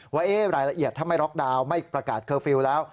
ว่ารายละเอียดถ้าไม่ล็อกดาวน์ไม่ประกาศเคอร์ฟิลล์แล้ว